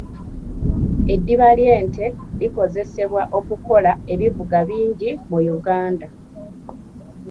Eddiba ly'ente likozesebwa okukola ebivuga bingi mu Uganda.